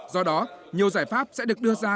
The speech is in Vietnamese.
do đó nhiều giải pháp sẽ được đưa ra